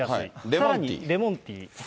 さらにレモンティー。